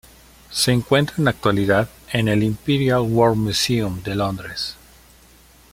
Se encuentra en la actualidad en el Imperial War Museum de Londres.